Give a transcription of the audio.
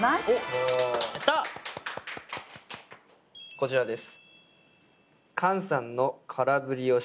こちらです。